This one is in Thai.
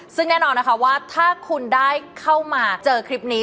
ซึ่งแน่นอนนะคะว่าถ้าคุณได้เข้ามาเจอคลิปนี้